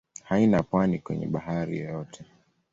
Haina pwani kwenye bahari yoyote.